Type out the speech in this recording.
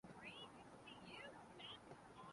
دنیا کا راز کیا ہے؟